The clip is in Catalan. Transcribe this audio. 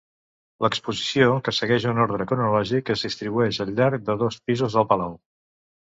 L'exposició, que segueix un ordre cronològic, es distribueix al llarg de dos pisos del palau.